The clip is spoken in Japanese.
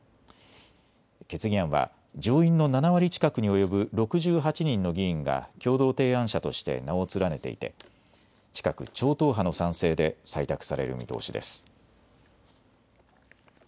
決議案は上院の７割近くに及ぶ６８人の議員が共同提案者として名を連ねていて近く、超党派の賛成で採択される見通しです。